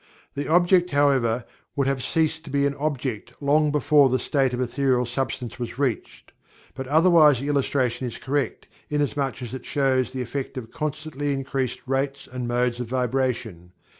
The "object," however, would have ceased to be an "object" long before the stage of Ethereal Substance was reached, but otherwise the illustration is correct inasmuch as it shows the effect of constantly increased rates and modes of vibration.